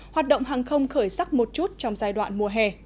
hoạt động hàng không khởi sắc một chút trong giai đoạn mùa hè